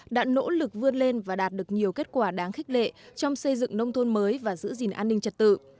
đã nỗ lực vươn lên và đạt được nhiều kết quả đáng khích lệ trong xây dựng nông thôn mới và giữ gìn an ninh trật tự